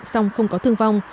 xong không có thương vong